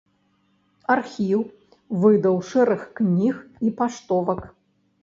Архіў выдаў шэраг кніг і паштовак.